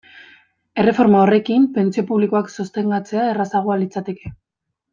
Erreforma horrekin, pentsio publikoak sostengatzea errazagoa litzateke.